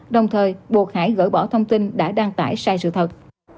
đồng thời buộc hải gỡ bỏ thông tin đã đăng tải sai sự thật